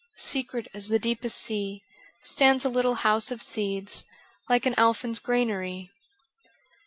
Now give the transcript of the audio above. Secret as the deepest sea. Stands a little house of seeds Like an elfin's granary.